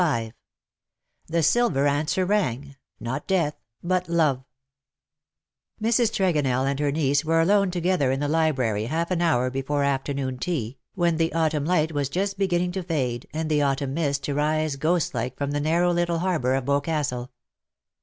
<i * the silver answer rang_, ' not death, but love/ " Mrs. Tregonell and her niece were alone to gether in the library half an hour before afternoon tea, when the autumn light was just beginning to fade, and the autumn mist to rise ghostlike from the narrow little harbour of Boscastle.